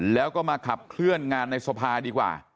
แล้วก็มาขับเคลื่อนงานในสภาดีกว่า